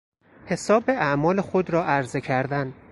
حساب اعمال خود را عرضه کردن